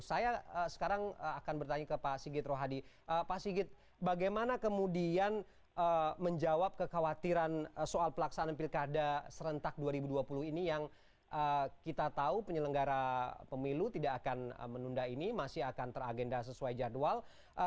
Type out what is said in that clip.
saya sekarang akan bertanya ke pak sigit rohadi pak sigit bagaimana kemudian menjawab kekhawatiran soal pelaksanaan pilkada serentak dua ribu dua puluh ini yang kita tahu penyelenggara pemilu tidak akan menunda ini masih akan teragenda sesuai jadwal